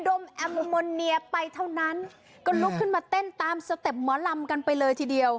มแอมโมเนียไปเท่านั้นก็ลุกขึ้นมาเต้นตามสเต็ปหมอลำกันไปเลยทีเดียว